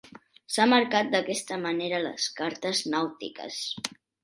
S'ha marcat d'aquesta manera a les cartes nàutiques.